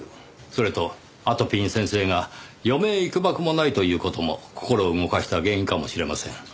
それとあとぴん先生が余命いくばくもないという事も心を動かした原因かもしれません。